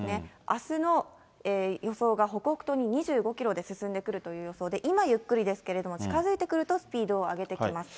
あすの予想が北北東に２５キロで進んでくるという予想で、今ゆっくりですけれども、近づいてくるとスピードを上げてきます。